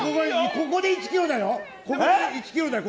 ここで１ｋｇだよ。